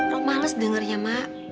rok males denger ya mak